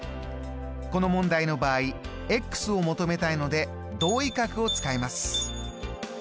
この問題の場合を求めたいので同位角を使います。